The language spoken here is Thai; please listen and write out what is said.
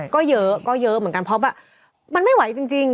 ก็เยอะก็เยอะเหมือนกันเพราะแบบมันไม่ไหวจริง